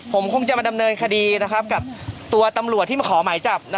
ผมคงจะมาดำเนินคดีกับตัวตำรวจที่มาขอหมายจับ